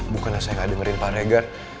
bukannya saya gak dengerin pak regar